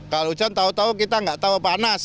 kalau hujan tahu tahu kita nggak tahu panas